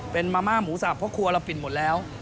เป็นมาม่าหมูสับเพราะครัวเราปิดหมดแล้ว